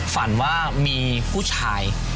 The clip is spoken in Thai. ฝันว่ามีผู้ชาย